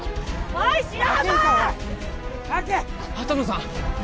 畑野さん